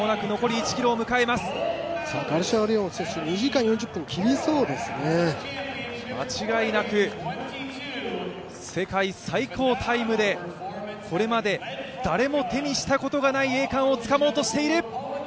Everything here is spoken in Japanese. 間違いなく世界最高タイムでこれまで誰も手にしたことがない栄冠をつかもうとしている！